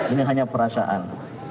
ini hanya perasaan